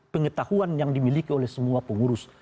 pengetahuan yang dimiliki oleh semua pengurus